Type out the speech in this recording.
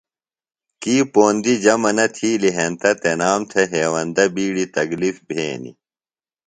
کی پوندیۡ جمع نہ تِھیلیۡ ہینتہ تنام تھےۡ ہیوندہ بِیڈیۡ تکلِف بھینیۡ۔